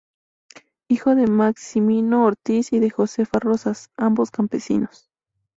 Hijo de Maximino Ortiz y de Josefa Rosas, ambos campesinos.